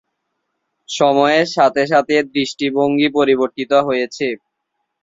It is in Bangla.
সময়ের সাথে সাথে দৃষ্টিভঙ্গি পরিবর্তিত হয়েছে।